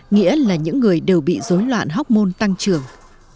nghĩa là những người đều bị rối loạn hormone tăng trưởng